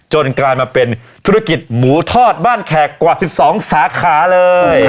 กลายมาเป็นธุรกิจหมูทอดบ้านแขกกว่า๑๒สาขาเลย